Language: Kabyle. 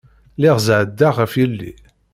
Lliɣ zeɛɛḍeɣ ɣef yelli.